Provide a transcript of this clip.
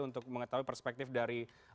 untuk mengetahui perspektif dari